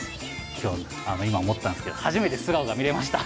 今日今思ったんですけど初めて素顔が見れました。